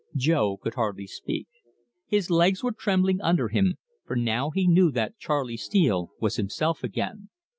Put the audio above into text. Jo could hardly speak. His legs were trembling under him, for now he knew that Charley Steele was himself again.